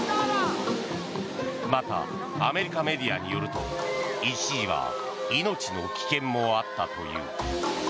また、アメリカメディアによると一時は命の危険もあったという。